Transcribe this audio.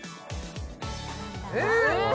えっ？